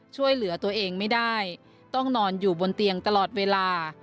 ช่วยเหลือตัวเองไม่ได้ต้องนอนอยู่บนเตียงตลอดเวลา